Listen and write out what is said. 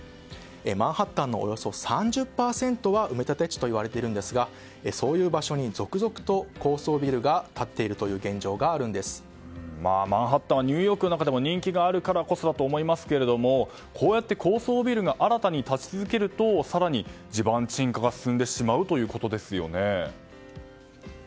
マンハッタンのおよそ３０％は埋立地といわれているんですがそういう場所に続々と高層ビルが建っているマンハッタンはニューヨークの中でも人気があるからこそだと思いますがこうやって高層ビルが新たに建ち続けると更に地盤沈下が進むということですよね。